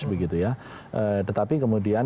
begitu ya tetapi kemudian